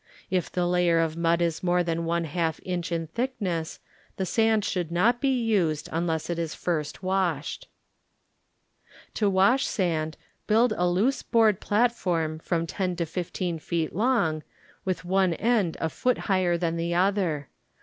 If the layer of mud is more than one half inch in thickness, the sand should not be used unless it is first washed. To wash sand build a loose board platform from 10 to IS feet long, with one end a foot higher than the other.